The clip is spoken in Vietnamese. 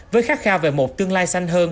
với khắc khao về một tương lai xanh hơn